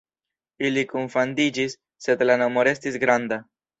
Ili kunfandiĝis, sed la nomo restis "Granda".